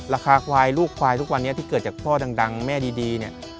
ราคาควายลูกควายทุกวันนี้ที่เกิดจากพ่อดังแม่ดีเนี่ย